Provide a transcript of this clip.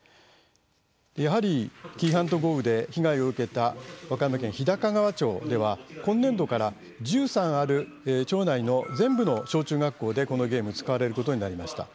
やはり紀伊半島豪雨で被害を受けた和歌山県日高川町では今年度から１３ある町内の全部の小中学校でこのゲーム使われることになりました。